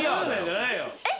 えっ？